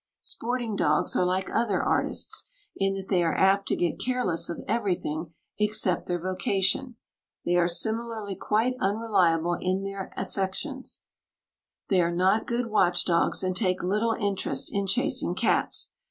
Sporting dogs are like other artists, in that they are apt to get careless of everything except their vocation. They are similarly quite unreliable in their affections. They are not good watch dogs, and take little interest in chasing cats.